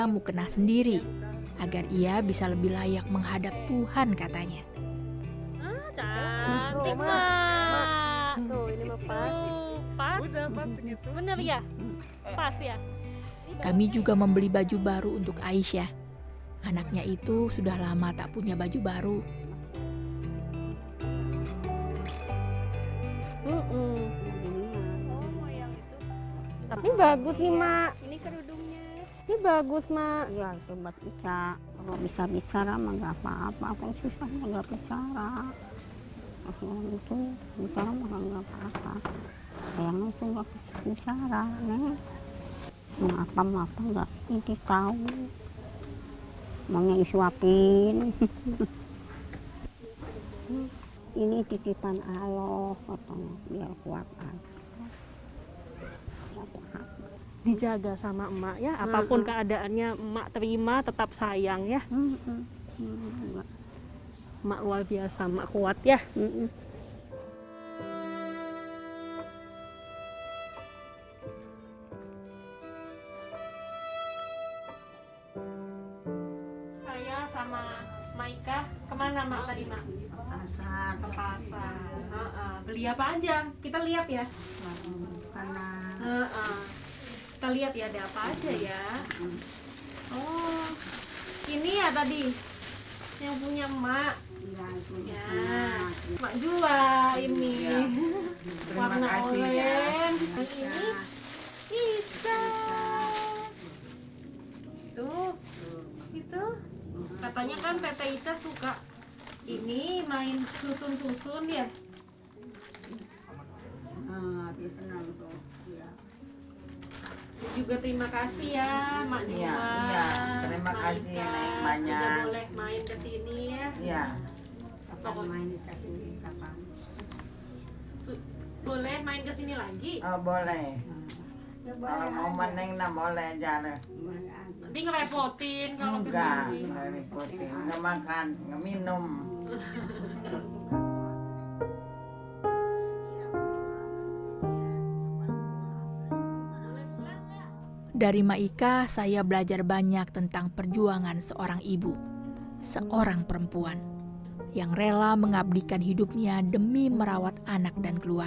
masih ada banyak yang harus dilakukan perempuan berusia lebih dari tujuh puluh tahun itu